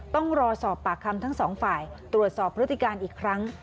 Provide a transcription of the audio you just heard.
ต้องรอสอบปากคำทั้งสองฝ่ายตรวจสอบพฤติการอีกครั้ง